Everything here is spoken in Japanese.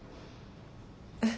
えっ？